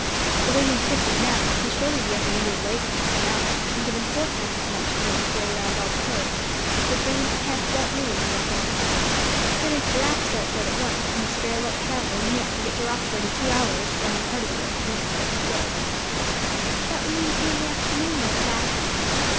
"The way he's drifting now, he'll surely be at the end of the lake in half an hour; and given four times as much to make his way round all the coves, would bring him to camp about noon, I reckon. Then, if Giraffe starts out at once, and has fair luck traveling he ought to get to Rockford in two hours, running part of the way, once he strikes the road." "That would mean two in the afternoon, then, Thad?"